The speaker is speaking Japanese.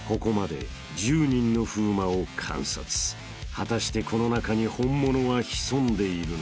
［果たしてこの中に本物は潜んでいるのか？］